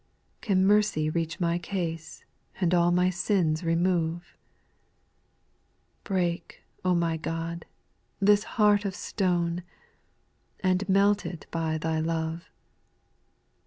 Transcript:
2. Can mercy reach my case, And all my sins remove ? Break, my God, this heart of stone, And melt it by Thy love.